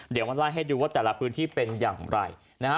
เดี๋ยวมาไล่ให้ดูว่าแต่ละพื้นที่เป็นอย่างไรนะฮะ